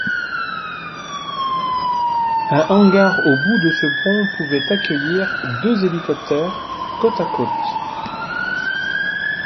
Un hangar au bout de ce pont pouvait accueillir deux hélicoptères côte à côte.